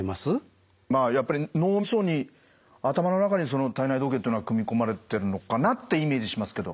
まあやっぱり脳みそに頭の中にその体内時計というのは組み込まれてるのかなってイメージしますけど。